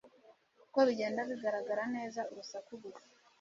Ko bigenda bigaragara neza urusaku gusa